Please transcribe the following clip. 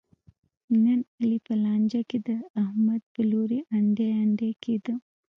نن علي په لانجه کې د احمد په لوري انډی انډی کېدا.